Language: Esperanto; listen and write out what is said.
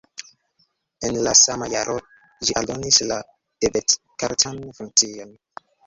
En la sama jaro ĝi aldonis la debetkartan funkcion.